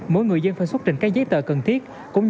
mỗi người dân phải xuất trình các giấy tờ cần thiết